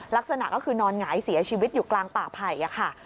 ลักษณะก็คือนอนหงายเสียชีวิตอยู่กลางป่าไผ่ค่ะ